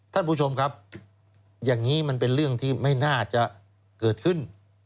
ท่านผู้ชมครับอย่างนี้มันเป็นเรื่องที่ไม่น่าจะเกิดขึ้น